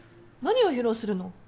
何を披露するの？